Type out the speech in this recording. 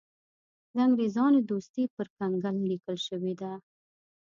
د انګرېزانو دوستي پر کنګل لیکل شوې ده.